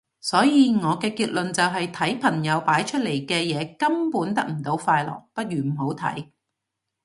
所以我嘅結論就係睇朋友擺出嚟嘅嘢根本得唔到快樂，不如唔好睇